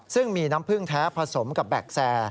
ซึ่งมีน้ำผึ้งแท้ผสมกับแบ็คแซร์